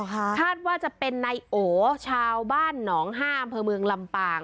คาดว่าจะเป็นนายโอชาวบ้านหนองห้าอำเภอเมืองลำปาง